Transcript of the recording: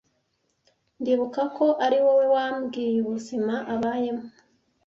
ndibuka ko ari wowe wambwiye ubuzima abayemo